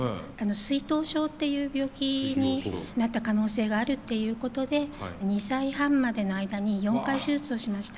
水頭症っていう病気になった可能性があるっていうことで２歳半までの間に４回手術をしました。